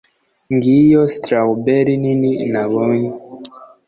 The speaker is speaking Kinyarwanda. Ngiyo strawberry nini nabonye